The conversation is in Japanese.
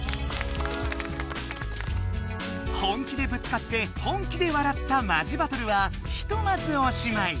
本気でぶつかって本気でわらったマジバトルはひとまずおしまい。